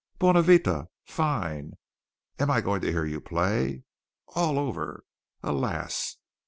Bonavita! Fine! Am I going to hear you play? All over? Alas!